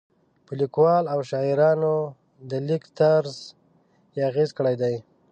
په لیکوالو او شاعرانو د لیک طرز یې اغېز کړی دی.